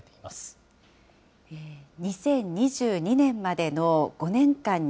２０２２年までの５年間に、